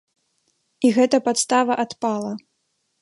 І гэта падстава адпала.